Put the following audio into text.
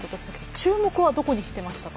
注目は、どこにしていましたか？